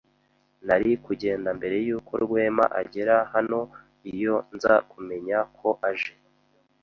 Nari kugenda mbere yuko Rwema agera hano iyo nza kumenya ko aje.